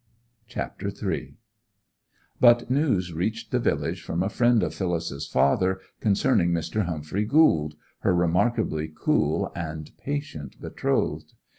CHAPTER III But news reached the village from a friend of Phyllis's father concerning Mr. Humphrey Gould, her remarkably cool and patient betrothed.